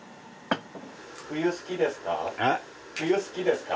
冬好きですか？